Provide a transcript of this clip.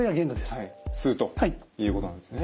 吸うということなんですね。